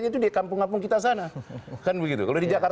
terima kasih pak jamal